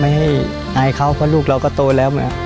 ไม่ให้อายเขาเพราะลูกเราก็โตแล้ว